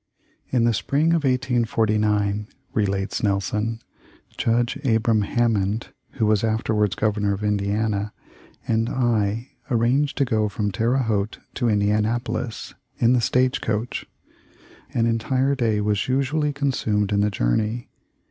"In the spring of 1849," relates Nel son, "Judge Abram Hammond, who was after wards Governor of Indiana, and I arranged to go from Terre Haute to Indianapolis in the stage coach. An entire day was usually consumed in the journey.